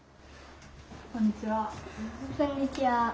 こんにちは。